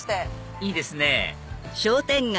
いいですね！